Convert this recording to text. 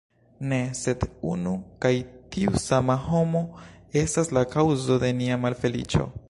Ne, sed unu kaj tiu sama homo estas la kaŭzo de nia malfeliĉo.